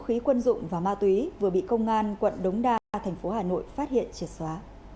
khí quân dụng và ma túy vừa bị công an quận đống đa a thành phố hà nội phát hiện triệt xóa